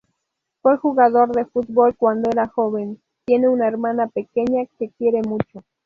Fue jugador de fútbol cuando era joven; tiene una hermana pequeña que quiere mucho.